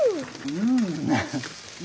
うん！